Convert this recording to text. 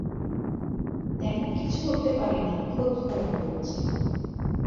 তেমন কিছু করতে পারি নি, খোঁজখবর করছি।